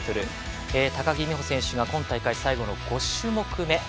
高木美帆選手が今大会最後の５種目め。